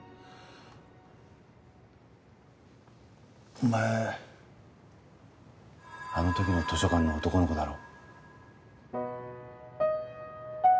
お前あのときの図書館の男の子だろ。